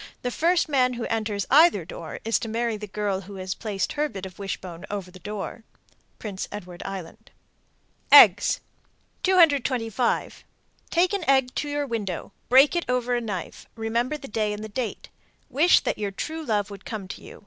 The first man who enters either door is to marry the girl who has placed her bit of wishbone over the door. Prince Edward Island. EGGS. 225. Take an egg to your window; break it over a knife; remember the day and date. Wish that your true love would come to you.